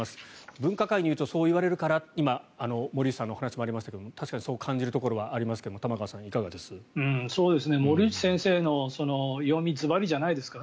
分科会に言うとそう言われるから今、森内さんのお話もありましたが確かにそう感じるところはありますが玉川さん、いかがです？